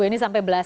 ini sampai belas